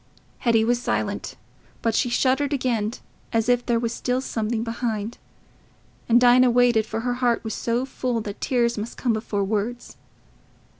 Hetty was silent, but she shuddered again, as if there was still something behind; and Dinah waited, for her heart was so full that tears must come before words.